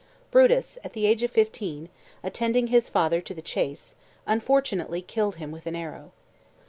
Brutus, at the age of fifteen, attending his father to the chase, unfortunately killed him with an arrow.